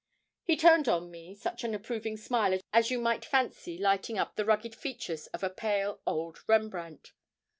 He turned on me such an approving smile as you might fancy lighting up the rugged features of a pale old Rembrandt.